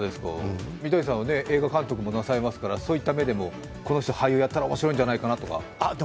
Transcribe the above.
三谷さんは映画監督もなさいますから、そういった目でもこの人俳優やったら面白いんじゃないかなみたいな。